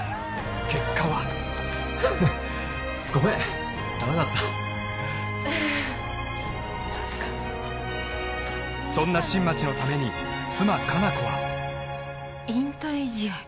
結果はごめんダメだったそっかそんな新町のために妻・果奈子は引退試合？